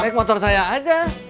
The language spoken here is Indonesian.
naik motor saya aja